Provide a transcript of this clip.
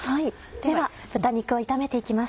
では豚肉を炒めて行きます。